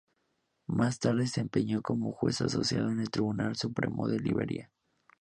Más tarde se desempeñó como juez asociado en el Tribunal Supremo de Liberia.